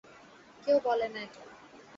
কেউ বলে না এটা।